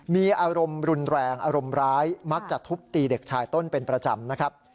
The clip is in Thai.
มีอารมณ์รุนแรงอารมณ์ร้ายมักจะทุบตีเด็กชายต้นเป็นประจำนะครับ